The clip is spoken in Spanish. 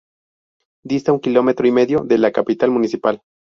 Dista un kilómetro y medio de la capital municipal.